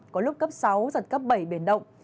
có lúc cấp sáu giật cấp bảy biển động